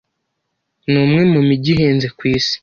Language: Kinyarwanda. Ni umwe mu mijyi ihenze kwisi.